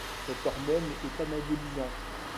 Cette hormone est anabolisante.